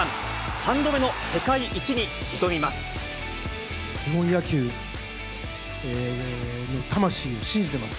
３度目の世界一に挑みます。